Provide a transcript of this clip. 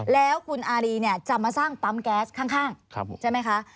แล้วคุณอารีเนี่ยจะมาสร้างปั๊มแก๊สข้างใช่ไหมคะ